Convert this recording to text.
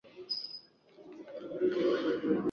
Mambo yanayopelekea ugonjwa wa mapafu kutokea